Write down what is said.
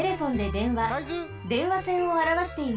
電話線をあらわしています。